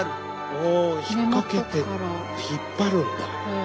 ああひっかけて引っ張るんだ。